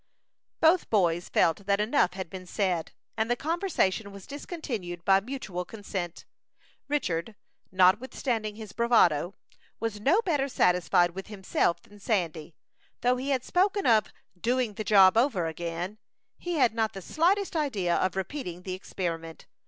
Both boys felt that enough had been said, and the conversation was discontinued by mutual consent. Richard, notwithstanding his bravado, was no better satisfied with himself than Sandy. Though he had spoken of "doing the job over again," he had not the slightest idea of repeating the experiment.